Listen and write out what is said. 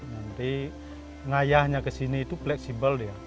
nanti ngayahnya ke sini itu fleksibel ya